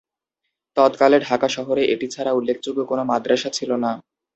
তৎকালে ঢাকা শহরে এটি ছাড়া উল্লেখযোগ্য কোন মাদ্রাসা ছিল না।